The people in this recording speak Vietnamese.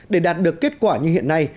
để đạt được kết quả như hiện nay